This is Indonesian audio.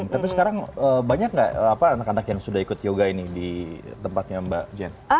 tapi sekarang banyak nggak anak anak yang sudah ikut yoga ini di tempatnya mbak jen